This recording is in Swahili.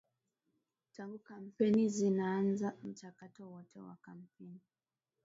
tangu kampeni zinaanza mchakato wote wa kampeni